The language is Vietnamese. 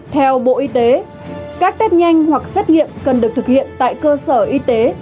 theo bộ y tế các test nhanh hoặc xét nghiệm cần được thực hiện tại cơ sở y tế